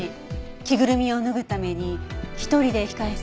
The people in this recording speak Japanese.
着ぐるみを脱ぐために１人で控室に向かった。